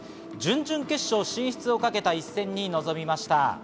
準決勝進出をかけた試合に臨みました。